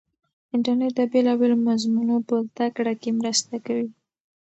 انټرنیټ د بېلابېلو مضمونو په زده کړه کې مرسته کوي.